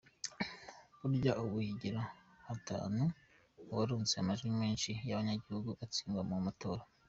Bubaye ubugira gatanu uwaronse amajwi menshi y’abanyagihugu atsindwa mu matora.